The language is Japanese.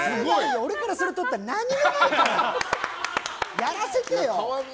俺からそれ取ったら何もないから。やらせてよ！